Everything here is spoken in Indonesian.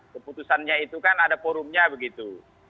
keputusannya itu kan ada forumnya begitu